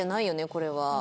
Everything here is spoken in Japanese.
これは。